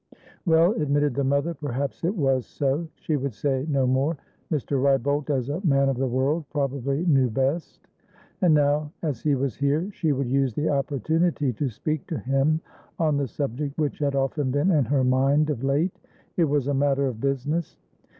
Well, admitted the mother, perhaps it was so; she would say no more; Mr. Wrybolt, as a man of the world, probably knew best. And nowas he was here, she would use the opportunity to speak to him on a subject which had often been in her mind of late. It was a matter of business.